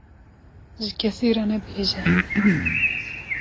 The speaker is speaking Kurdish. ji kesî re nebêje.